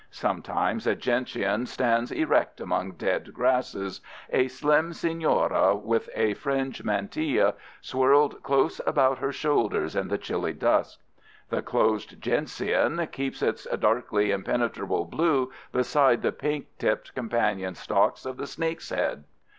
Sometimes a gentian stands erect among dead grasses—a slim señora with a fringed mantilla swirled close about her shoulders in the chilly dusk. The closed gentian keeps its darkly impenetrable blue beside the pink tipped companion stalks of the snake's head.